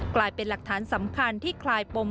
กลายเป็นหลักฐานสำคัญที่คลายปม